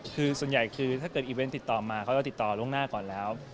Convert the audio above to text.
คือส่วนใหญ่คือถ้าเกิดอีเวนต์ติดต่อมาเขาจะติดต่อล่วงหน้าก่อนแล้ว